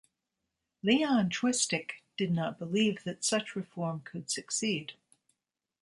Leon Chwistek did not believe that such reform could succeed.